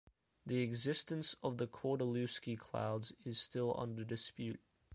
The existence of the Kordylewski clouds is still under dispute.